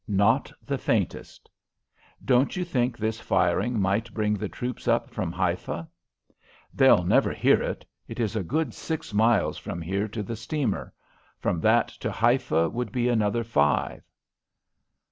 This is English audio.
"Not the faintest." "Don't you think this firing might bring the troops up from Haifa?" "They'll never hear it. It is a good six miles from here to the steamer. From that to Haifa would be another five."